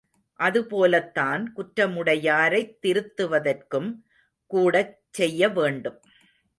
அது போலத்தான் குற்றமுடையாரைத் திருத்துவதற்கும் கூடச் செய்ய வேண்டும்.